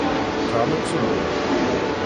Tram ad tessewwem?